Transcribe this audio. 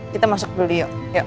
kita masuk dulu yuk